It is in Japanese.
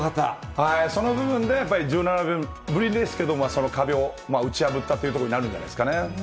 その部分でやっぱり１７年ぶりですけど、その壁を打ち破ったというところになるんじゃないですかね。